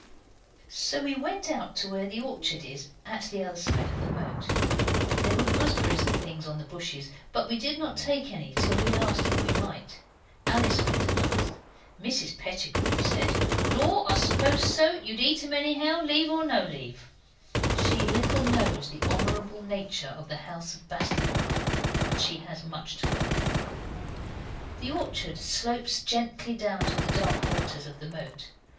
So we went out to where the orchard is, at the other side of the moat. There were gooseberries and things on the bushes, but we did not take any till we had asked if we might. Alice went and asked. Mrs Pettigrew said, 'Law! I suppose so; you'd eat 'em anyhow, leave or no leave.' She little knows the honourable nature of the house of Bastable. But she has much to learn. The orchard slopes gently down to the dark waters of the moat.